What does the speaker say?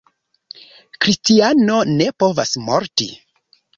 Kristiano ne povas morti.